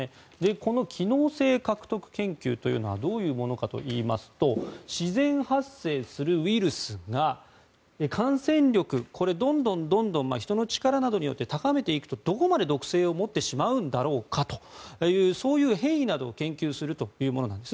この機能性獲得研究というのはどういうものかといいますと自然発生するウイルスが感染力、これはどんどん人の力などによって高めていくとどこまで毒性を持ってしまうんだろうかとそういう変異などを研究するものなんです。